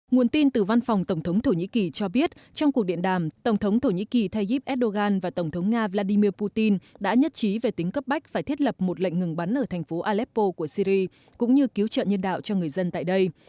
nguồn tin từ văn phòng tổng thống thổ nhĩ kỳ cho biết trong cuộc điện đàm tổng thống thổ nhĩ kỳ tayyip erdogan và tổng thống nga vladimir putin đã nhất trí về tính cấp bách phải thiết lập một lệnh ngừng bắn ở thành phố aleppo của syri cũng như cứu trợ nhân đạo cho người dân tại đây